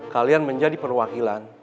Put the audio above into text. kalian menjadi perwakilan